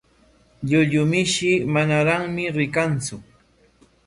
Llullu mishi manaraqmi rikanku.